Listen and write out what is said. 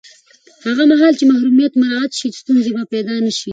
هغه مهال چې محرمیت مراعت شي، ستونزې به پیدا نه شي.